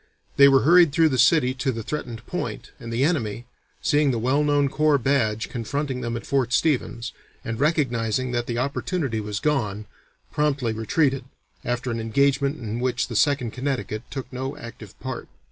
They were hurried through the city to the threatened point, and the enemy, seeing the well known corps badge confronting them at Fort Stevens, and recognizing that the opportunity was gone, promptly retreated, after an engagement in which the Second Connecticut took no active part.